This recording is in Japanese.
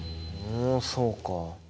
おそうか。